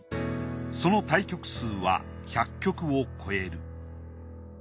その対局数は１００局を超える。